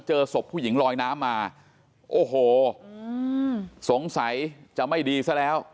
เจอศพผู้หญิงลอยน้ำมาโอ้โหสงสัยจะไม่ดีซะแล้ว